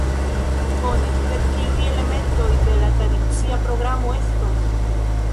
Bone, sed kiuj elementoj de la tradicia programo estos?